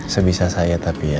sebisa saya tapi ya